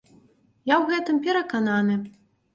Я ў гэтым перакананы.